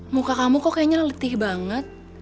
muka kamu kok kayaknya letih banget